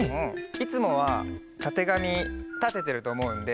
いつもはたてがみたててるとおもうので。